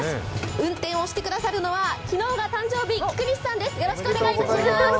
運転をしてくださるのは昨日が誕生日、菊西さんです。